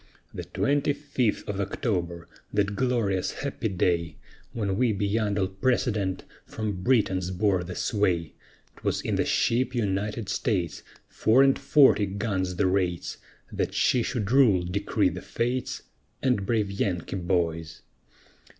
The twenty fifth of October, that glorious happy day, When we beyond all precedent, from Britons bore the sway, 'Twas in the ship United States, Four and forty guns the rates, That she should rule, decreed the Fates, And brave Yankee boys.